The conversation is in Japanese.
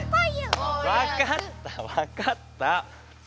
わかったわかった！